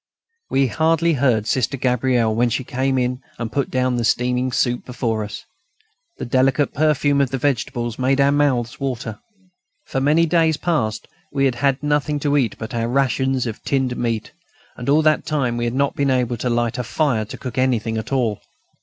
We hardly heard Sister Gabrielle when she came in and put down the steaming soup before us. The delicate perfume of the vegetables made our mouths water. For many days past we had had nothing to eat but our rations of tinned meat, and all that time we had not been able to light a fire to cook anything at all.